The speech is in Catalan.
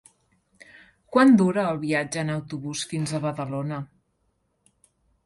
Quant dura el viatge en autobús fins a Badalona?